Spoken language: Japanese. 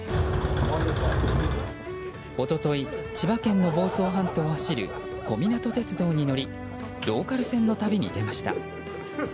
一昨日、千葉県の房総半島を走る小湊鉄道に乗りローカル線の旅に出ました。